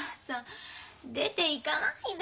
出ていかないでよ。